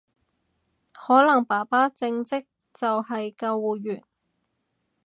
可能爸爸正職就係救護員